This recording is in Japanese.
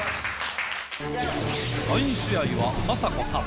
第２試合はあさこさん。